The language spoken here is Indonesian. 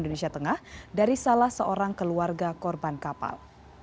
dari salah seorang keluarga korban kapal